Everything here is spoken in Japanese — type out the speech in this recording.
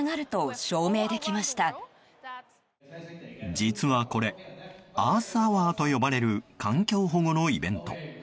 実はこれ、アースアワーと呼ばれる環境保護のイベント。